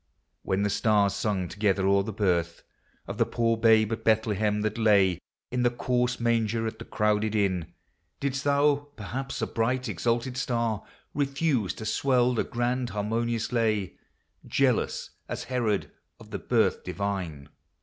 When the stars sang together o'er the birth Of the poor Babe at Bethlehem, that lay In the coarse manger at the crowded Inn, Didst thou, perhaps a bright exalted star, Refuse to swell the grand, harmonious lay, Jealous as Herod of the birth divine